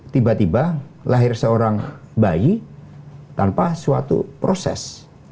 tiba tiba lahir seorang bayi tanpa suatu proses